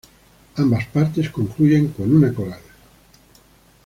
Ambas partes concluyen con un coral.